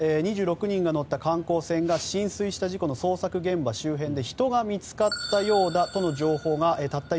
２６人が乗った観光船が浸水した事故の捜索現場周辺で人が見つかったようだとの情報がたった